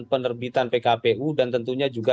penerbitan pkpu dan tentunya juga